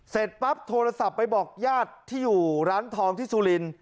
เสร็จปั๊บโทรศัพท์ไปบอกญาติที่อยู่ร้านทองที่สุริน